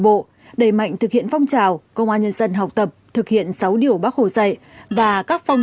bộ đẩy mạnh thực hiện phong trào công an nhân dân học tập thực hiện sáu điều bác hồ dạy và các phong